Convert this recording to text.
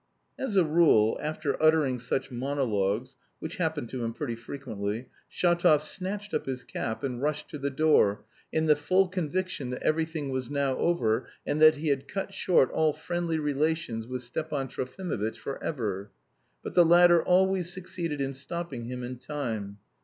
As a rule, after uttering such monologues (which happened to him pretty frequently) Shatov snatched up his cap and rushed to the door, in the full conviction that everything was now over, and that he had cut short all friendly relations with Stepan Trofimovitch forever. But the latter always succeeded in stopping him in time.